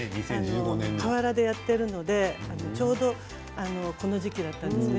河原でやっているのでちょうどこの時期だったんですね。